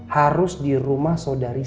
harus di rumah saudari